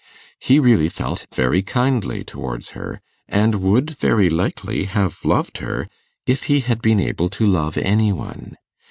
He really felt very kindly towards her, and would very likely have loved her if he had been able to love any one.